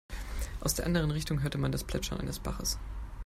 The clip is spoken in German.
Aus der anderen Richtung hörte man das Plätschern eines Baches.